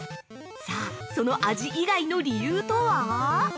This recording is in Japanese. さぁ、その味以外の理由とは？